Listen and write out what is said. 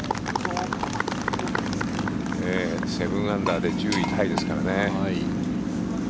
７アンダーで１０位タイですからね。